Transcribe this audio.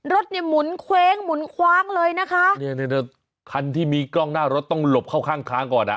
รถเนี่ยหมุนเคว้งหมุนคว้างเลยนะคะเนี่ยคันที่มีกล้องหน้ารถต้องหลบเข้าข้างทางก่อนอ่ะ